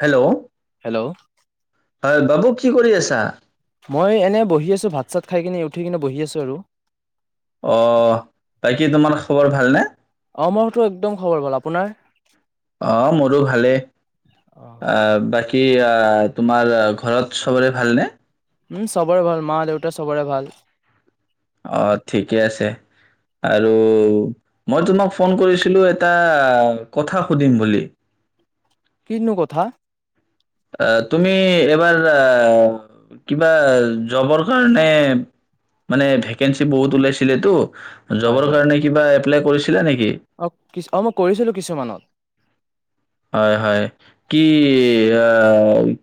Hello. Hello হয় বাবু কি কৰি আছে। তা মই এনে বহি আছো ভাত চাত খাই কিনে উঠি কিনে বহি আছো আৰু। অ বাকী তোমাৰ খবৰ ভালনে অ মোৰটো একদম খবৰ ভাল। আপোনাৰ। অ মোৰো ভালেই অ বাকী। কি অ তোমাৰ ঘৰত চবৰে ভালনে। উম চবৰে ভাল মা-দেউতা চবৰে ভাল। অ ঠিকে আছে আৰু মই তোমাক ফোন কৰিছিলো এটা কথা সুধিম বুলি। কিনো কথা। তুমি এবাৰ কিবা জবৰ কাৰণে মানে ভেকেঞ্চি বহুত ওলাইছিলেতো। হয় জবৰ হয়। কাৰণে কিবা। এপ্লাই কৰিছি। অ মই কৰিছিলো কিছুমানত। হয় হয় কি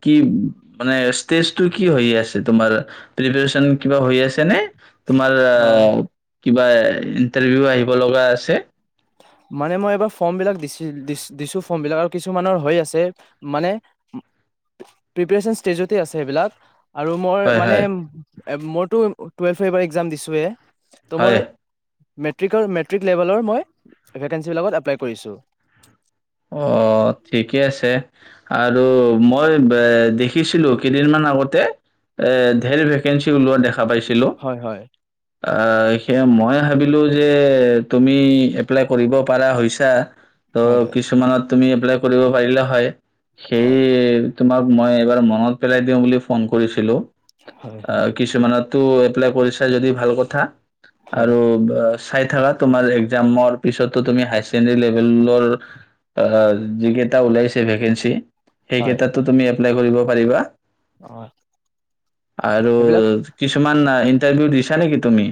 কি মানে ষ্টেজটো কি হৈ আছে তোমাৰ প্ৰিপিয়েচন কিবা হৈ আছে নে। তোমাৰ অ। কিবা ইণ্টাৰভিউ আহিব লগা আছে। মানে মই এইবাৰ ফৰ্মবিলাক দিছিল-দিছ-দিছো ফৰ্মবিলাক আৰু কিছুমানৰ হৈ আছে, মানে প্ৰিপাৰেচন ষ্টেজতে আছে এইবিলাক। আৰু মই হয়, মানে হয়, মোৰটো টোৱেলভৰ এইবাৰ এক্সাম দিছোৱে। তোমাৰ হয়। মেট্ৰিকৰ মেট্ৰিক লেভেলৰ মই ভেকেঞ্চি বিলাকত এপ্লাই কৰিছো। অ' ঠিকেই আছে আৰু মই বেএ দেখিছিলো কেইদিনমান আগতে এ ধেৰ ভেকেঞ্চি ওলোৱা দেখ পাইছিলোঁ হয় হয় আহ, সেয়া মই ভাবিলোঁ যে তুমি এপ্লাই কৰিব পাৰা হৈছা ত' হয়, হয়। কিছুমানত তুমি এপ্লাই কৰিব পাৰিলা হয়। সেই হয় তোমাক মই এবাৰ মনত পেলাই দিওঁ বুলি ফোন কৰিছিলো। হয় হয় অ' কিছুমানত ত' এপ্লাই কৰিছা যদি ভাল কথা। হয় আৰু চাই থাকা তোমাৰ একজামৰ পিছতো তুমি হায়াৰ ছেকেণ্ডাৰী লেভেলৰ - অ', যিকেইটা ওলাইছে ভেকেঞ্চি -সেই হয়। ক্ষেত্ৰতো তুমি- -এপ্লাই কৰিব পাৰিবা। অ আৰু সেইবিলাক কিছু- -কিছুমান ইণ্টাৰভিউ দিছা নেকি তুমি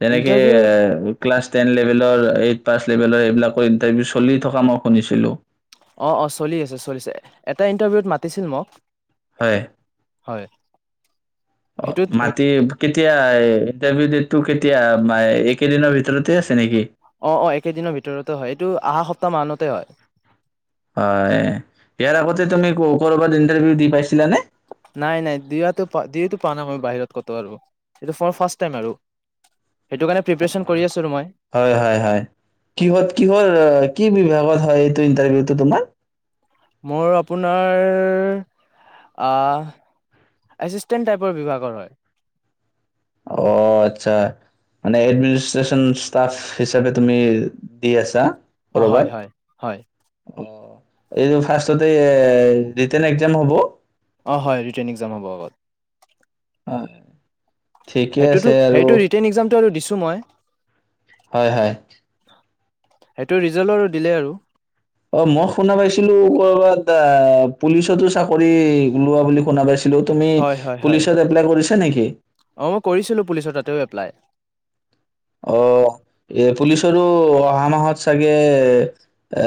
যেনেকে ইণ্টাৰভিউত আহ ক্লাছ টেন লেভেলৰ এইট পাছ লেভেলৰ এইবিলাকৰ ইণ্টাৰভিউ চলি থকা মই- -শুনিছিলো। অ', অ', চলি আছে, চলি আছে এটা ইণ্টাৰভিউত মাতিছিল মোক- হয় হয়। অ' সেইটোত সেই মাটি কে এতিয়া ইণ্টাৰভিউ ডেট টো কেতিয়া এই কেইদিনৰ ভিতৰতে আছে নেকি? অ-অ একেদিনৰ ভিতৰতে হয় এইটো অহা সপ্তাহ মানতে হয়। হয়, ইয়াৰ আগতে তুমি কৰ'বাত ইন্টাৰভিউ দি পাইছিলানে? নাই-নাই দিয়াটো দিয়োটো পোৱা নাই মই বাহিৰত কতো আৰু সটো ফাষ্ট টাইম আৰু। সেইটো কাৰণে প্ৰিপেৰেচন কৰি আছো আৰু মই হয়-হয়-হয়, কিহত-কিহৰ কি বিভাগত হয় এইটো ইণ্টাৰভিউটো তোমাৰ? মোৰ আপোনাৰ এছিষ্টেণ্ট টাইপৰ বিভাগৰ হয়। অ' আচ্ছা, মানে এডমিনিষ্ট্ৰচন ষ্টাফ হিচাপে তুমি দি আছা। হয়-হয়-হয়, এইযে ফাৰ্ষ্টতে হয়, ৰিটোন এক্সাম হব। অ হয় ৰিটেন এক্সাম হ'ব আগত হয়, ঠিকে আছে সেইটোতো আৰু সেইটো ৰিটাৰ্ণ এক্জামটো আৰু দিছো মই। হয়-হয়। সেইটো ৰিজাল্ট আৰু দিলে আৰু। অ' মই শুনা পাইছিলো কৰ'বাত পুলিচতো চাকৰি লোৱা বুলি শুনা পাইছিলো। তুমি হয় হয় হয় পুলিচত এপাই কৰিছা নেকি? অ মই কৰিছিলো পুলিচৰ তাতেও এপ্লাই অ' এ পুলিচৰো অহা মাহত চাগে এ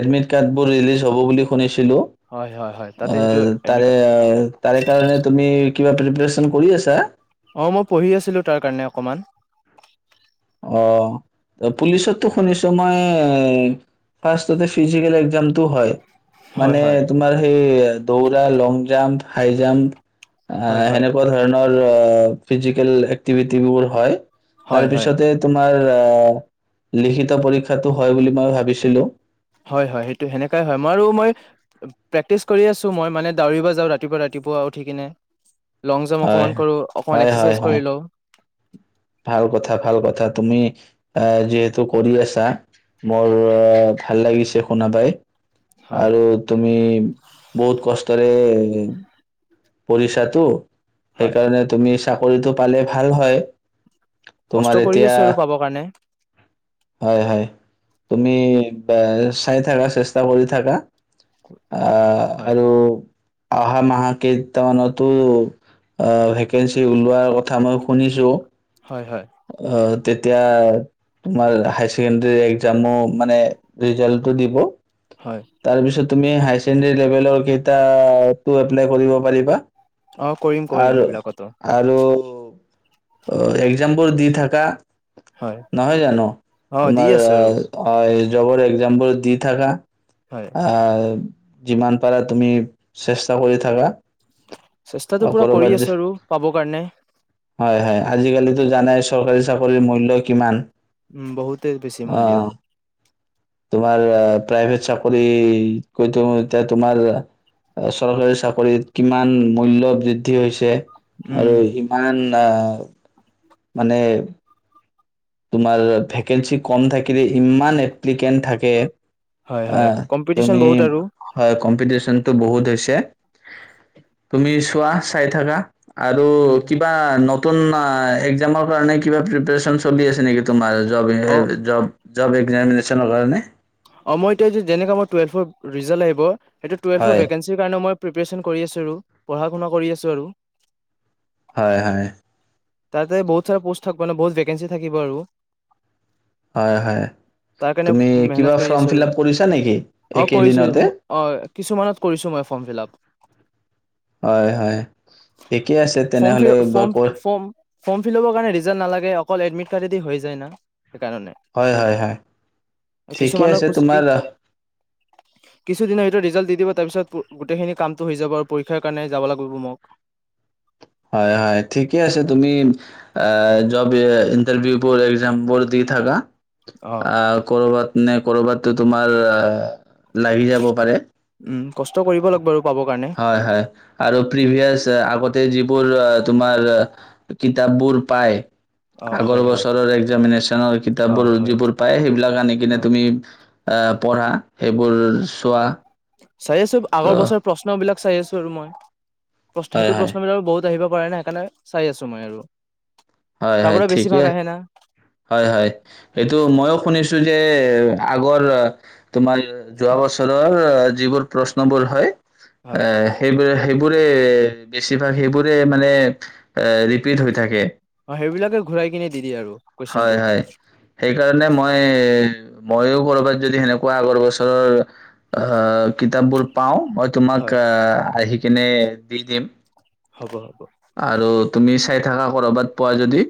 এডমিট কাৰ্ডবোৰ ৰিলিজ হ'ব বুলি শুনিছো। চিলো, হয় হয় হয় তাতে সেইটো এই এনেকা তাৰে কাৰণে তুমি প্ৰিপাৰেচন কৰি আছা। অ' মই পঢ়ি আছিলো তাৰ কাৰণে অকণমান। অ' পুলিচতো শুনিছো মই ফাৰ্ষতে ফিজিকেল এক্জামটো হয়। হয় মানে হয় তোমাৰ সেই দৌৰা, লং জাম্প, হাই জাম্প। হয় অহ হয় সেনেকুৱা ধৰণৰ আ' ফিজিকেল এক্তিভিবোৰ হয়। হয়-হয়। তাৰপিছতে তোমাৰ অহ লিখিত পৰীক্ষাটো হয় বুলি মই ভাবিছিলো। হয়-হয় সেইটো সেনেকাই হয় মই-মই প্ৰেকটিচ কৰি আছো ম মানউৰিব যা ৰাতিপুৱ-ৰাতিপুৱা উঠি কিনে। লং জাম্প, হয়, অকণমান কৰোঁ অকণমান হয়, হয়, এক্সাৰচাইজ কৰি হয়। লওঁ। ভাল কথা ভাল কথা তুমি অহ যিহেতু কৰি আছা মোৰ ভাল লাগিছে শুন পাই। হয় আৰু তুমি বহুত কষ্ট উ', পঢ়িচাটো। হয় সেইকাৰণে তুমি চাকৰিটো পালে ভাল হয়। তোমাৰ কষ্ট কৰি এতিয়া আছো আৰু পাব কাৰণে। হয় হয় তুমি চাই থাকা চেষ্টা কৰি থাকা। অ', হয় আৰু অহা মাহ কেইটামানতো আ ভেকেঞ্চি ওলোৱাৰ কথা মই শুনিছোঁ হয়, হয়। আহ তেতিয়া, তোমাৰ হায়াৰ ছেকেণ্ডাৰী একজামো মানে ৰিজাল্টটো দিব হয় তাৰপিছত তুমি হায়াৰ ছেকেণ্ডাৰী লেভেলৰ কেইটা তো এপ্লাই কৰিব পাৰিবা অ কৰিম কৰিম আৰু- সেইবিলাকতো আৰু [inaudible] অ', একজাম বোৰ দি থাকা হয় নহয় জানো? অ দি তোমাৰ আছো আৰু জবৰ একজাম বোৰ দি থাকা হয় আ যিমান পাৰা তুমি চেষ্টা কৰি থাকা চেষ্টাতো আৰু পুৰা কৰ'বাত কৰি যে আছোঁ আৰু, পাবৰ কাৰণে। হয় হয় আজিকালিতো জানাই চৰকাৰী চাকৰিৰ মূল্য কিমান? উম। বহুতেই বেছি অ মূল্য তোমাৰ প্ৰাইভেট চাকৰি। কিন্তু এতিয়া তোমাৰ চৰকাৰী চাকৰিত কিমান মূল্য বৃদ্ধি হৈছে? উম আৰু সিমান টাও মানে তোমাৰ ভেকেঞ্চি কম থাকিলে, ইমান এপ্লিকেণ্ট থাকে‌ হয় হয় অ', কম্পিটিচন তুমি। বহুত আৰু হয়, কম্পিটিশ্যন কিন্তু বহুত হৈছে। তুমি চোৱা, চাই থাকা আৰু উম কিবা নত নতুন, আ, এক্সামৰ কাৰণে কিবা প্ৰিপাৰেশ্যন চলি আছে নেকি তোমাৰ? জব। অ এই জব জব এক্সামিনেশ্যনৰ কাৰণে অ', মই এতিয়া যি, যেনেকৈ মই টুৱেলভৰ ৰিজাল্ট আহিব সেইটো টুৱেলভৰ হয় ভেকেঞ্চিৰ কাৰণে মই প্ৰিপাৰেশ্যন কৰি আছোঁ আৰু পঢ়া-শুনা কৰি আছোঁ আৰু হয়, হয়। তাতে বহুত চাৰা প'ষ্ট থাকোঁ। মানে, বহুত ভেকেঞ্চি থাকিব আৰু হয় হয় তুমি কিবা ফৰ্ম কৰিছোঁ ফিল আৰু আপ কৰিছা নেকি অ একেইদিনতে কৰিছোঁ কিছুমানত কৰিছোঁ মই ফৰ্ম ফিলাপ হয় হয় ঠিকে আছে ফৰ্ম তেনেহলে ফিল বাৰ ফৰ্ম ক ফৰ্ম ফৰ্ম ফিল [unintelligible] নালাগে অকল এদমিড কাতেদি হৈ যায় না সেইকাৰণে হয় হয় হয় ঠিকে কিছুমানৰ আছে তোমাৰ কিছুদিনৰ ভিতৰত ৰিজাল্ট দি দিব তাৰপিছত গোটেইখিনি কামটো হৈ যাব আৰু পৰীক্ষাৰ কাৰণে যাব লাগিব মোক হয় হয় ঠিকে আছে তুমি জব ইণ্টাৰভিউ বোৰ এক্সাম বোৰ দি থাকা অ আহ কৰ'বাত নে কৰ'বাতো তোমাৰ লাগি যাব পাৰে উম কষ্ট কৰিব লাগিব আৰু পাবৰ কাৰণে হয় হয় আৰু প্ৰিভিয়াছ আগতে যিবোৰ তোমাৰ কিতাপবোৰ পায় অ আগৰ হয় হয় বছৰৰ এক্জামিনেশ্যনৰ অ কিতাপবোৰ হয় যিবোৰ পায় সেইবিলাক আনি হয় কিনে তুমি পঢ়া সেইবোৰ চোৱা চাই আছো তো আগৰ বছৰ প্ৰশ্ন বিলাক চাই আছো আৰু মই প্ৰশ হয় সেইটো হয় প্ৰশ্নিবিলাকত বহুত আহিব পাৰে ন সেইকাৰণে চাই আছো মই আৰু হয় তাৰ হয় পৰা বেছি ভাগ ঠিকেই আহে না হয় হয় এইটো মইয়ো শুনিছো যে আগৰ তোমাৰ যোৱা বছৰৰ যিবোৰ প্ৰশ্নবোৰ হয় এ হয় সেইটোৱে সেই বোৰে বেছিভাগ সেইবোৰে মানে এ ৰিপিট হৈ থাকে অ সেইবিলাকে ঘূৰাই কিনে দি দিয়ে আৰু হয় কুৱেশনটো হয় সেইকাৰণে মই মইয়ো কৰ'বাত যদি সেনেকুৱা আগৰ বছৰৰ আহ কিতাপ বোৰ পাওঁ মই তোমাক হয় আহি কিনে দি দিম হ'ব আৰু তুমি চাই থাকা ক'ৰবাত পোৱা যদি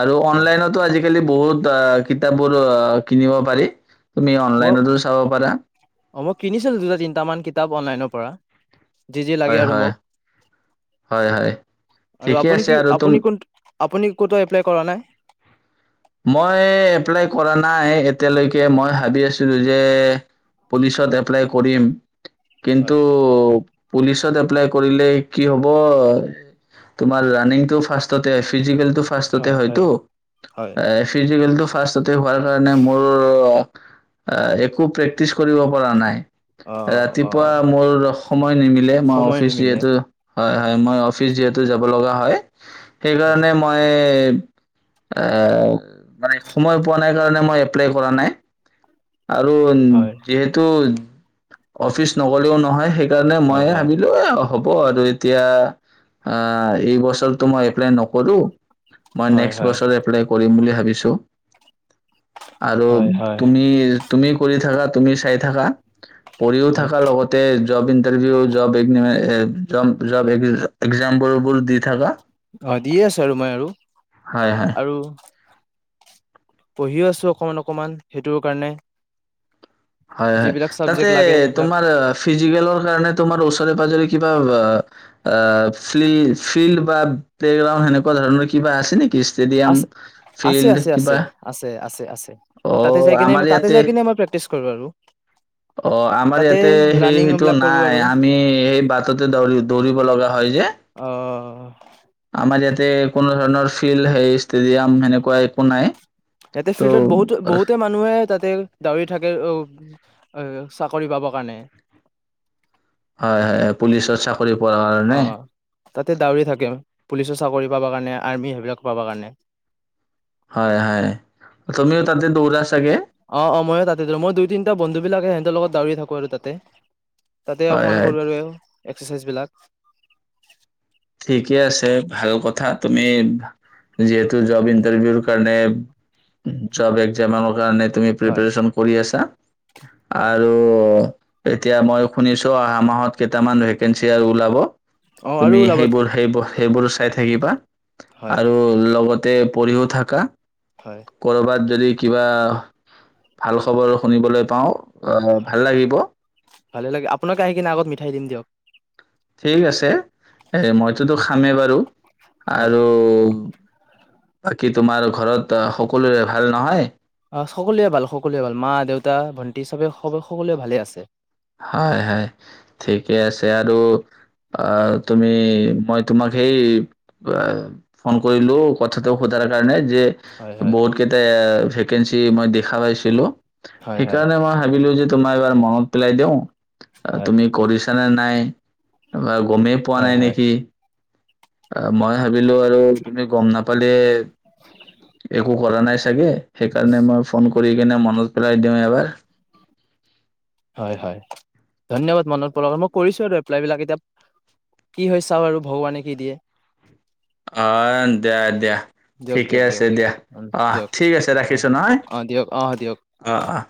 আৰু হয় অনলাইনটো আজি আজিকালি বহুত আ কিতাপ বোৰ কিনিব পাৰি তুমি মই অনলাইনতো চাব পাৰা অ মই কিনিছিলো দুটা তিনটামান কিতাপ অনলাইনৰ পৰা যি যি লাগে হয় আৰু হয় মোক হয় হয় আৰু ঠিকে আপুনি আছে কি আৰু তুম আপুনি কোনটো আপুনি ক'তো এপ্লাই কৰা নাই মই এপ্লাই কৰা নাই এতিয়ালৈকে মই ভাবি আছিলো যে পুলিচত এপলাই কৰিম কিন্তু হয় পুলিচত এপ্লাই কৰিলে কি হ'ব তোমাৰ ৰানিংটো ফাৰ্ষ্টতটে ফিজিকেল ফাৰ্ষ্টতে হয় হয় হয়তো হয় ফিজিকেলটো ফাৰ্ষ্টততে হোৱাৰ কাৰণে মোৰ অ একো প্ৰেক্টিচ কৰিব পৰা নাই অ অ ৰাতিপুৱা মোৰ সময় নিমিলে মই সময় অফিচ নিমিলে যিহেতু হয় হয় মই অফিচ যিহেতু যাব লগা হয় হয় সেইকাৰণে মই অ এ মানে সময় পোৱা নাই কাৰণে মই এপ্লাই কৰা নাই আৰু হয় যিহেতু অফিচ নগলেও নহয় সেই সেইকাৰণে হয় ময়ে হয় অনিলোৱাৰো হ'ব আৰু এতিয়া অ এই বছৰটো মই এপ্লাই নকৰো মই হয় নেক্সট হয় বছৰ এপ্লাই কৰিম বুলি ভাবি ভাবিছোঁ আৰু হয় হয় তুমি কৰি থাকা তুমি চাই থাকা পঢ়িও হয় থকাৰ লগতে যব ইটাৰভিউ জব এ জব এ্সাম্পল বোৰ দি থাককা অঁ দি আছো আৰু মই আৰু হয় হয় আৰু পঢ়িও আছো অকমান অকমান সেইটো কাৰণে হয় হয় যিবিলাক তাতে চাবজেক্ট লাগে সেইবিলাক তোমাৰ ফিজিকেলৰ কাৰণে তোমাৰ ওচৰে পাজৰে কিবা অ ফ ফিল্ড বা প্লেগ্ৰাউণ্ড সেনেকুৱা ধৰণৰ কিবা আছে নেকি ষ্টেডিয়াম? আছে আছে ফিল্ড আছে আছে কিবা আছে আছে আছে তাতে জ অ' আমাৰ ততে ইয়াতে জ নি আমাৰ প্ৰেক্টিছ কৰ আৰু অ আমাৰ তাতে ইয়াতে সেই ৰানিং সেইটো বিলাক কৰো আৰু নাই আমি সেই বাটতে দৌৰি দৌৰিব লগা হয় যে উ আমাৰ ইয়াতে কোনো ধৰণৰ ফিল্ড সেই ষ্টেডিয়াম সেনেকুৱা একো নাই ইয়াতে ত' ফিল্ডত বহুতো বহুতে মানুহে তাতে দউৰি থাকে চাকৰি পাব কাৰণে হয় হয় হয় পুলিচত চাক অ তাতে ডাউৰীয়া থাকে পুলিচৰ চাকৰি পাবৰ কাৰণে আৰ্মি সেইবিলাক পাবৰ কাৰণে হয় হয় তুমি তাতে দৌৰাছাগে অ অ ময়ো তাতেো মই দুই তিনিটা বন্ধু বিাকে সিহঁতৰ লগত দাৰি থাকো আৰু তাতে তাতে হয়, অকমান হয়। কৰিব ল এক্সাৰচাইজ বিলাক ঠিকে আছে ভাল কথা তুমি যিহেতু জব ইণ্টাৰভিউৰ কাৰণে জব এক্জামৰ কাৰণে তুমি হয় প্ৰিপৰেচন কৰি আছা হয় আৰু এতিয়া মই শুনিছো অহা মাহত কেইটামান ভেকেঞ্চি আৰু ওলাব অ তুমি আৰুওলাব সেইবোৰ সেইবোৰ সেইবোৰ চাই থাকিবা হয় আৰু লগত পঢ়ীও থাকা হয়। কৰবাত যদি কিবা ভাল খবৰ শুনিবলৈ পাওঁ অ হয়, ভাল লাগিব ভালে লাগে আপোনালোকে আহি কিনে আগত মিঠাই দিম দিয়ক ঠিক আছে এ মইতোতো খামেই বাৰু হয়। আৰু বাকী তোমাৰ ঘৰত সকলোৰে ভাল নহয় অ সকলোৱে ভাল সকলোৱে ভাল মা দেউতা ভন্টি চবে সকলোৱে ভালে আছে হয় হয় ঠিকে আছে আৰু আহ তুমি মই তোমাক সেই ফোন কৰিলো কথাটো সোধাৰ কাৰণে যে হয় হয় বহুত কেইটা ভেকেঞ্চি মই দেখা পাইছিলোঁ হয় হয়। সেইকাৰণে মই ভাবিলো যে তোমাৰ এবাৰ মনত পেলাই দিওঁ হয় তুমি কৰিছ দিলে নে নাই গমেই পোৱা হয় নাই হয় নেকি অ মই ভাবিলো আৰু তুমি গম নাপ পালে একো কৰা নাই চাগে সেই কাৰণে মই ফোন কৰি কেনে মনত পেলাই দিওঁ এবাৰ হয়, হয়। ধন্যবাদ। মনত পৰা মই কৰিছোঁ আৰু এপ্লাইবিলাক। এতিয়া কি হয় চাওঁ আৰু ভগৱানে কি দিয়ে অ', দিয়া, দিয়া। দিয়ক ঠিকেই দিয়ক আছে দিয়ক দিয়া। উম, অহ, দিয়ক ঠিক আছে। হয়। ৰাখিছোঁ নহয়। অ' দিয়ক অ' দিয়ক। অ', অ'।